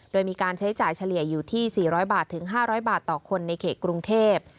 โดยมีการใช้จ่ายเฉลี่ยอยู่ที่๔๐๐บาทถึง๕๐๐บาทต่อคนในเขตกรุงเทพ